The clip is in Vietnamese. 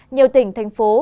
nhiều tỉnh thành phố